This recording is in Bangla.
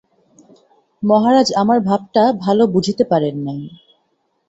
মহারাজ আমার ভাবটা ভালো বুঝিতে পারেন নাই।